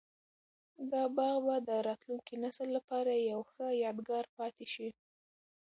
دا باغ به د راتلونکي نسل لپاره یو ښه یادګار پاتي شي.